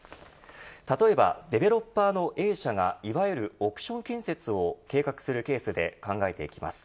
例えば、デベロッパーのＡ社がいわゆる億ション建設を計画するケースで考えていきます。